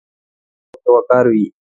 پخو سپینو جامو کې وقار وي